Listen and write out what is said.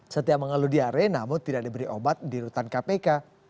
setia mengeluh diare namun tidak diberi obat di rutan kpk